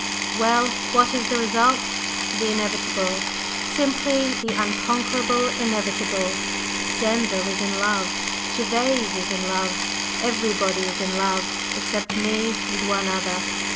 Well, what is the result? The Inevitable, simply the unconquerable Inevitable. Denzil is in love, Gervase is in love, everybody is in love, except me and one other!